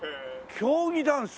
競技ダンス？